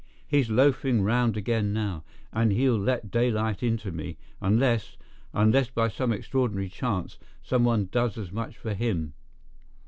He's loafing round again now, and he'll let daylight into me—unless—unless by some extraordinary chance some one does as much for him."